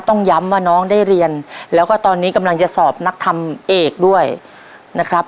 ต้องย้ำว่าน้องได้เรียนแล้วก็ตอนนี้กำลังจะสอบนักทำเอกด้วยนะครับ